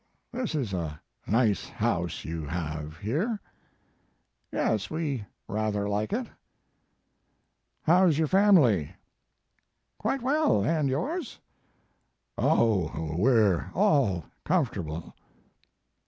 "This is a nice house you have here? " "Yes, we rather like it." "How s your family ?" "Quite well and yours ?" "Oh, we re all comfortable."